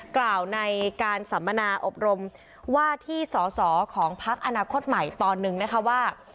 กล่าวในการสัมมนาอบรมว่าที่สอสอของพักอนาคตใหม่ตอนหนึ่งนะคะว่า